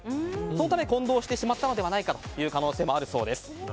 そのため混同してしまったのではないかという可能性もあるそうです。